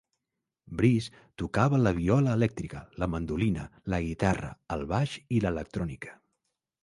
Breeze tocava la viola elèctrica, la mandolina, la guitarra, el baix i l'electrònica.